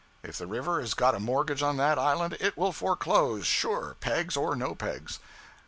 If the river has got a mortgage on that island, it will foreclose, sure, pegs or no pegs.